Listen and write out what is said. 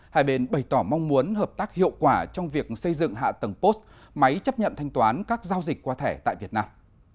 hai bên bày tỏ mong muốn hợp tác hiệu quả trong việc xây dựng hạ tầng post máy chấp nhận thanh toán các giao dịch qua thẻ tại việt nam